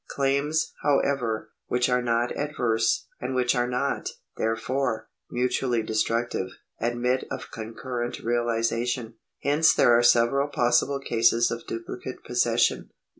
Claims, however, which are not adverse, and which are not, there fore, mutually destructive, admit of concurrent realisation. Hence there are several possible cases of duplicate possession.